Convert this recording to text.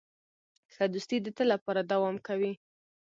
ښه دوستي د تل لپاره دوام کوي.